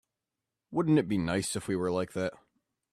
Wouldn't it be nice if we were like that?